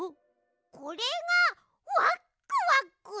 これがワックワクなの？